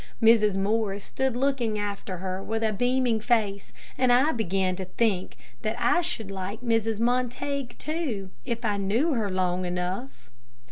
Mrs. Morris stood looking after her with a beaming face, and I began to think that I should like Mrs. Montague, too, if I knew her long enough.